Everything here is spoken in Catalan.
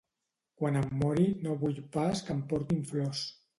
Quan em mori no vull pas que em portin flors.